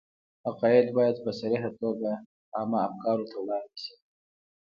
حقایق باید په صریحه توګه عامه افکارو ته وړاندې شي.